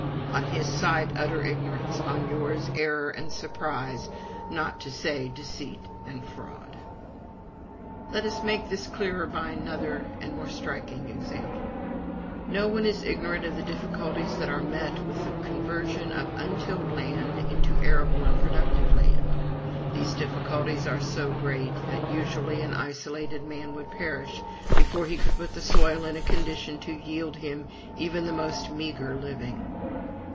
On his side, utter ignorance; on yours, error and surprise, not to say deceit and fraud. Let us make this clearer by another and more striking example. No one is ignorant of the difficulties that are met with in the conversion of untilled land into arable and productive land. These difficulties are so great, that usually an isolated man would perish before he could put the soil in a condition to yield him even the most meagre living.